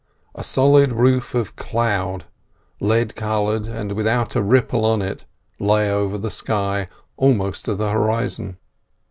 A solid roof of cloud, lead coloured and without a ripple on it, lay over the sky, almost to the horizon.